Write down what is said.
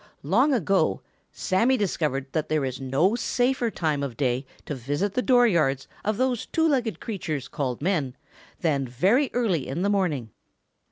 Long ago Sammy discovered that there is no safer time of day to visit the dooryards of those two legged creatures called men than very early in the morning.